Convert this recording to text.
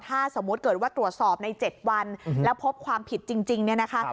ถ้าสมมุติเกิดว่าตรวจสอบใน๗วันแล้วพบความผิดจริงเนี่ยนะคะ